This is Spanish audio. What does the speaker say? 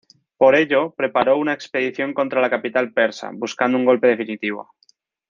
Por ello, preparó una expedición contra la capital persa, buscando un golpe definitivo.